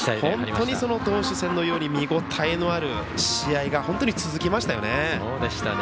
投手戦のように見応えのある試合が本当に続きましたよね。